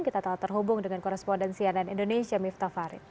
kita telah terhubung dengan korespondensianan indonesia miftah farid